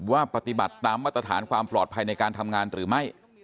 ปฏิบัติตามมาตรฐานความปลอดภัยในการทำงานหรือไม่